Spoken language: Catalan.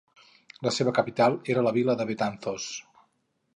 La seva capital era la vila de Betanzos.